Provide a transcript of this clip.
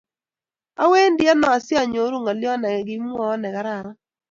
Awendi ano asianyoru ngolyot negimwawon negararan